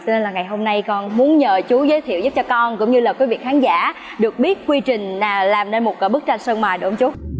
nên là ngày hôm nay con muốn nhờ chú giới thiệu giúp cho con cũng như là quý vị khán giả được biết quy trình làm nên một bức tranh sân mài đúng không chú